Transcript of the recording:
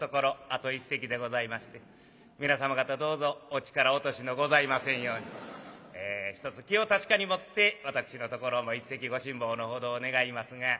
あと一席でございまして皆様方どうぞお力落としのございませんようにひとつ気を確かに持って私のところの一席ご辛抱のほどを願いますが。